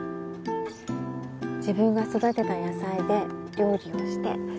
自分が育てた野菜で料理をして